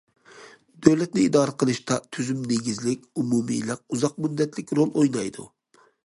دۆلەتنى ئىدارە قىلىشتا تۈزۈم نېگىزلىك، ئومۇمىيلىق، ئۇزاق مۇددەتلىك رول ئوينايدۇ.